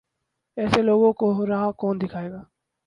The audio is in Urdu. ایسے لوگوں کو راہ کون دکھائے گا؟